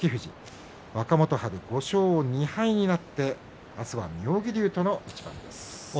若元春は５勝２敗になって明日は妙義龍との一番です。